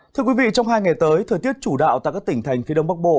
thưa quý vị trong hai ngày tới thời tiết chủ đạo tại các tỉnh thành phía đông bắc bộ